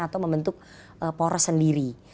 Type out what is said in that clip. atau membentuk poros sendiri